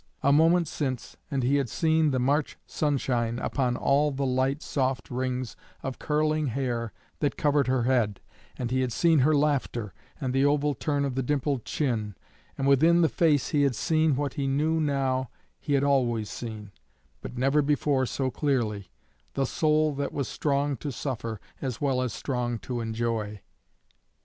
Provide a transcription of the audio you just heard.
A moment since and he had seen the March sunshine upon all the light, soft rings of curling hair that covered her head, and he had seen her laughter, and the oval turn of the dimpled chin, and within the face he had seen what he knew now he had always seen, but never before so clearly the soul that was strong to suffer as well as strong to enjoy.